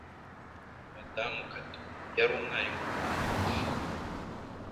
Madamu Kato yari umwarimu wawe umwaka ushize?